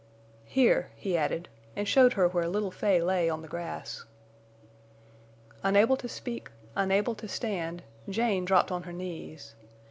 "Here," he added, and showed her where little Fay lay on the grass. Unable to speak, unable to stand, Jane dropped on her knees.